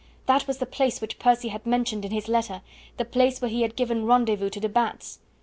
That was the place which Percy had mentioned in his letter, the place where he had given rendezvous to de Batz.